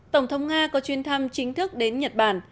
tổng thống nga có chuyến thăm chính thức đến nhật bản